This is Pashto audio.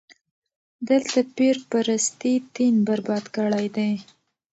دلته پير پرستي دين برباد کړی دی.